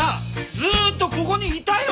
ずーっとここにいたよ！